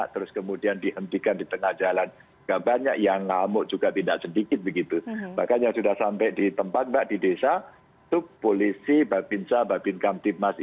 terus kemudian kita lakukan tindakan tindakan